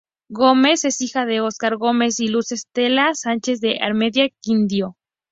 Gómez es hija de Óscar Gómez y Luz Estella Sánchez, de Armenia, Quindío.